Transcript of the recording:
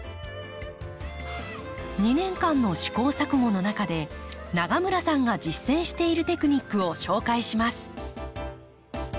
２年間の試行錯誤の中で永村さんが実践しているテクニックを紹介します。